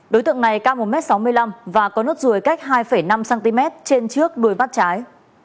đối tượng này cao một m sáu mươi năm và có nốt ruồi cách hai năm cm trên trước đuôi mắt trái